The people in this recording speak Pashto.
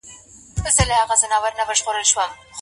رسول الله ته ښځو د څه شي په اړه وويل؟